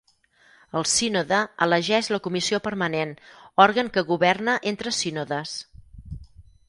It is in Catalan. El sínode elegeix la Comissió Permanent, òrgan que governa entre sínodes.